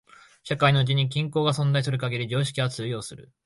社会のうちに均衡が存在する限り常識は通用する。